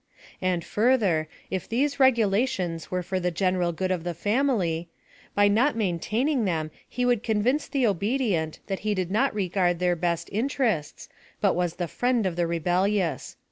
And further, if these regulation? were for the general good of the family, by noi maintaining them, he wonld convince the obedient that he did not regard their best interests, but wa& the friend of the rebellious.